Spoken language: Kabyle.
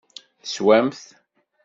Teswamt.